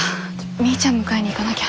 みーちゃん迎えに行かなきゃ。